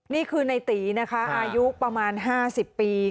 นี่คือในตีนะคะอายุประมาณ๕๐ปี